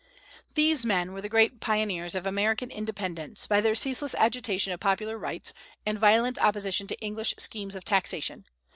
These men were the great pioneers of American Independence, by their ceaseless agitation of popular rights, and violent opposition to English schemes of taxation.